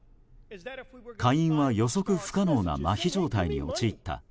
下院は予測不可能なまひ状態に陥った。